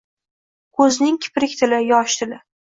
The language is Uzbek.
Ko’zning kiprik tili, yosh tili